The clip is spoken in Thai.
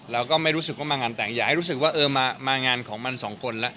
เราก็ไม่รู้สึกว่ามางานแต่งอย่าให้รู้สึกว่าเออมางานของมันสองคนแล้ว